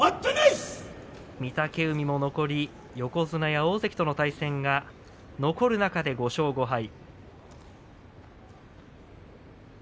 御嶽海も残り横綱や大関との対戦が残る中で５勝５敗。